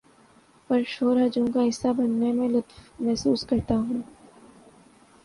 پر شور ہجوم کا حصہ بننے میں لطف محسوس کرتا ہوں